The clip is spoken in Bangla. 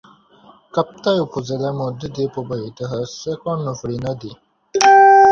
কাপ্তাই উপজেলার মধ্য দিয়ে প্রবাহিত হচ্ছে কর্ণফুলি নদী।